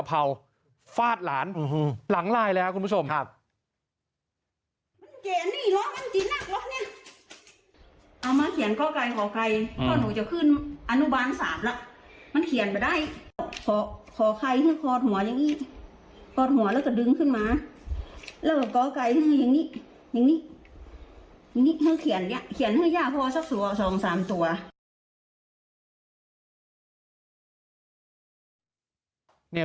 ถ้าเขียนให้พ่อสักส๓ตัว